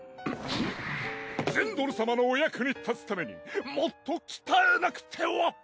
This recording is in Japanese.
ジェンドル様のお役に立つためにもっと鍛えなくては！